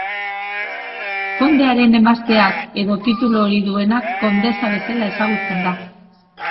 Kondearen emazteak, edo titulu hori duenak, kondesa bezala ezagutzen da.